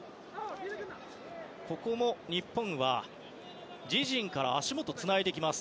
ここも日本は自陣から足元でつないでいきます。